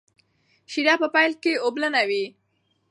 شیره په پیل کې اوبلنه وي.